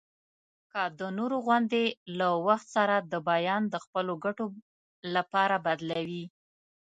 که د نورو غوندي له وخت سره د بیان د خپلو ګټو لپاره بدلوي.